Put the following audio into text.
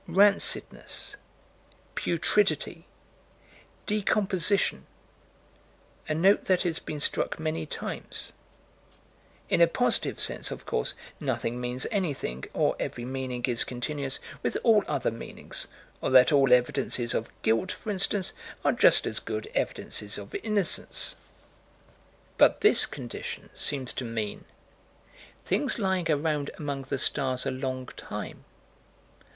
Rancidness putridity decomposition a note that has been struck many times. In a positive sense, of course, nothing means anything, or every meaning is continuous with all other meanings: or that all evidences of guilt, for instance, are just as good evidences of innocence but this condition seems to mean things lying around among the stars a long time.